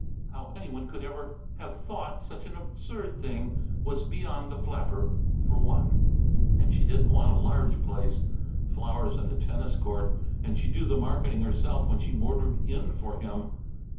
How any one could ever have thought such an absurd thing was beyond the flapper, for one. And she didn't want a large place: flowers and a tennis court, and she'd do the marketing herself when she motored in for him.